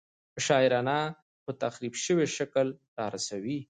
په شاعرانه خو تحریف شوي شکل رارسوي.